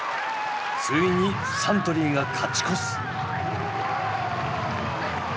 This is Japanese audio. ついにサントリーが勝ち越す。